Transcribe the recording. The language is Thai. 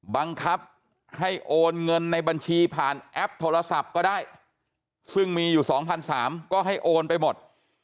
บังคับให้โอนเงินในบัญชีผ่านแอปโทรศัพท์ก็ได้ซึ่งมีอยู่๒๓๐๐ก็ให้โอนไปหมด